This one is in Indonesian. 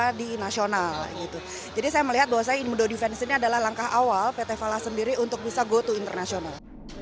jadi saya melihat bahwa saya indodefense ini adalah langkah awal pt falah sendiri untuk bisa go to internasional